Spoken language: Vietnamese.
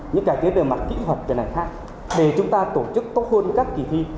những cải tiến về mặt kỹ thuật về ngành khác để chúng ta tổ chức tốt hơn các kỳ thi